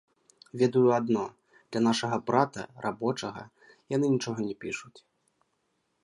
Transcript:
Ведаю адно, для нашага брата, рабочага, яны нічога не пішуць.